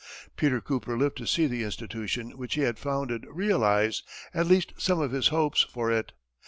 Peter Cooper lived to see the institution which he had founded realize at least some of his hopes for it.